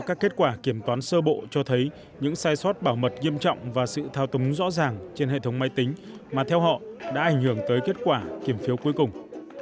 các kết quả kiểm toán sơ bộ cho thấy những sai sót bảo mật nghiêm trọng và sự thao túng rõ ràng trên hệ thống máy tính mà theo họ đã ảnh hưởng tới kết quả kiểm phiếu cuối cùng